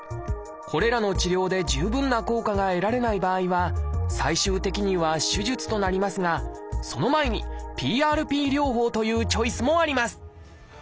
これらの治療で十分な効果が得られない場合は最終的には手術となりますがその前にＰＲＰ療法というチョイスもあります